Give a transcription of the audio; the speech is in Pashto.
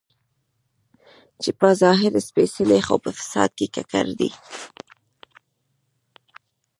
چې په ظاهره سپېڅلي خو په فساد کې ککړ دي.